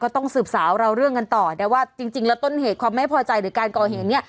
ต้องสืบสาวเราเรื่องกันต่อนะว่าจริงแล้วต้นเหตุความไม่พอใจหรือการก่อเหตุเนี่ย